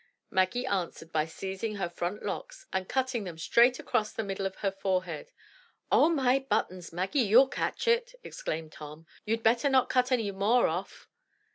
Maggie answered by seizing her front locks and cutting them straight across the middle of her forehead. "Oh, my buttons! Maggie, you'll catch it!" exclaimed Tom; "you'd better not cut any more off.''